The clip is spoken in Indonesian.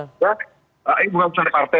ini bukan keputusan partai